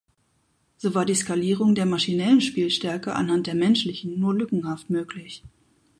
So war die Skalierung der maschinellen Spielstärke anhand der menschlichen nur lückenhaft möglich.